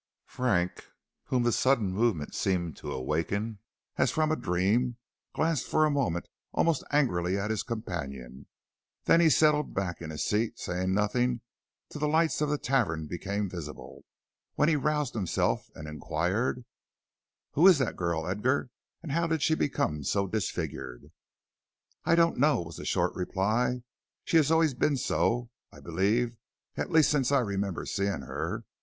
Frank, whom the sudden movement seemed to awaken as from a dream, glanced for a moment almost angrily at his companion, then he settled back in his seat, saying nothing till the lights of the tavern became visible, when he roused himself and inquired: "Who is that girl, Edgar, and how did she become so disfigured?" "I don't know," was the short reply; "she has always been so, I believe, at least since I remember seeing her.